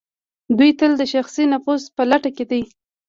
دوی تل د شخصي نفوذ په لټه کې دي.